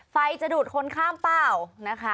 ไฟจะดูดคนข้ามเปล่านะคะ